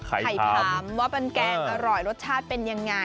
ไข่ผำว่าเป็นแกงอร่อยรสชาติเป็นยังไง